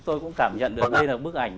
tôi cũng cảm nhận được đây là bức ảnh